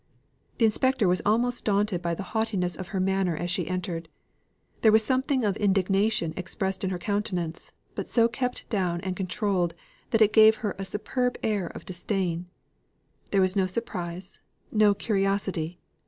The inspector was almost daunted by the haughtiness of her manner as she entered. There was something of indignation expressed in her countenance, but so kept down and controlled, that it gave her a superb air of disdain. There was no surprise, no curiosity.